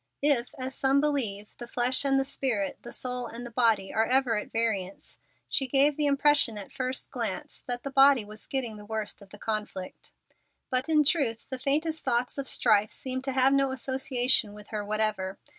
If, as some believe, the flesh and the spirit, the soul and the body, are ever at variance, she gave the impression at first glance that the body was getting the worst of the conflict. But in truth the faintest thoughts of strife seemed to have no association with her whatever.